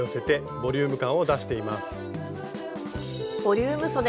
ボリュームそで